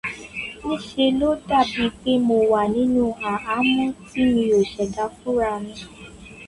Níṣe ló dàbíi pé mo wà nínú àhámọ́ tí mi ò ṣẹ̀dá fúnra mi